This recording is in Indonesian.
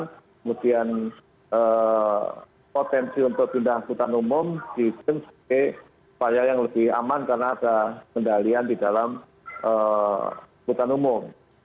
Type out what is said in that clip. kemudian potensi untuk pindahan hutan umum dihitung sebagai upaya yang lebih aman karena ada pendalian di dalam hutan umum